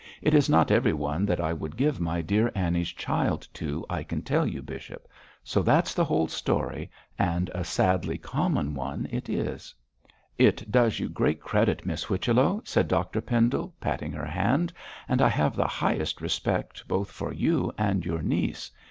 'It is not everyone that I would give my dear Annie's child to, I can tell you, bishop. So that's the whole story, and a sadly common one it is.' 'It does you great credit, Miss Whichello,' said Dr Pendle, patting her hand; 'and I have the highest respect both for you and your niece.